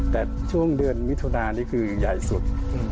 แต่ช่วงเดือนมิถุนานี่คือใหญ่สุด